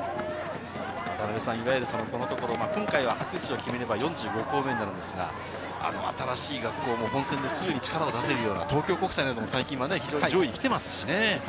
いわゆるこのところ、今回は初出場を決めれば４５校目になりますが、新しい学校も本選ですぐに力を出せるような東京国際なんかも最近は非常に上位に来ていますからね。